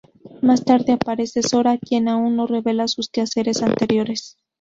Más tarde aparece Sora, quien aún no revela sus quehaceres anteriores.